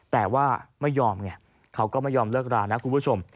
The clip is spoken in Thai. แต่ว่าไม่ยอมไงเขาก็ไม่ยอมเลิกรานะคุณผู้ชม